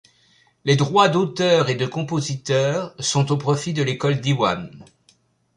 Les droits d’auteur et de compositeur sont au profit de l’école Diwan.